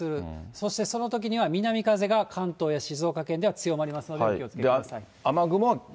そしてそのときには、南風が関東や静岡県では強まりますので、お気をつけください。